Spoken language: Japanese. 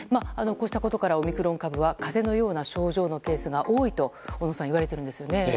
こうしたことからオミクロン株は風邪のような症状のケースが多いと言われているんですよね。